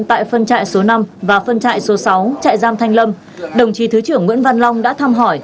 tại phân trại số năm và phân trại số sáu trại giam thanh lâm đồng chí thứ trưởng nguyễn văn long đã thăm hỏi